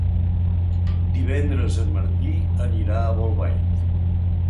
Divendres en Martí anirà a Bolbait.